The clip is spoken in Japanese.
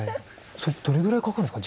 それどれぐらいかかるんですか？